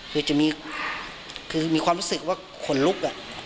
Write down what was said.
คือจะมีคือมีความรู้สึกว่าขนลุก